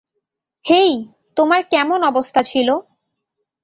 হেই, তোমার কেমন অবস্থা ছিল?